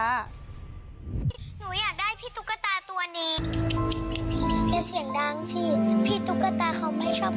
หนูอยากได้พี่ตุ๊กตาตัวนี้